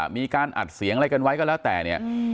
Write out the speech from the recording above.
มีการอัดเสียงอะไรกันไว้ก็แล้วแต่เนี่ย